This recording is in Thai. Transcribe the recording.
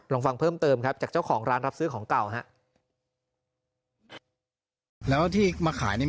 ลองฟังเพิ่มเติมครับจากเจ้าของร้านรับซื้อของเก่าครับ